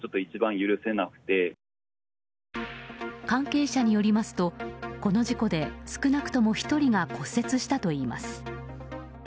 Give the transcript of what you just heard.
関係者によりますとこの事故で少なくとも１人が骨折したといいます。